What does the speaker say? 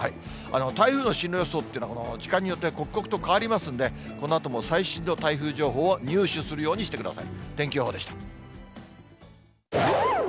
台風の進路予想っていうのは、時間によって、刻々と変わりますんで、このあとも最新の台風情報を入手するようにしてください。